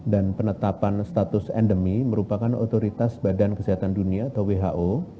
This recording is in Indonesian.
dan penetapan status endemi merupakan otoritas badan kesehatan dunia atau who